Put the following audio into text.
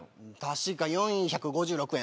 確か４５６円？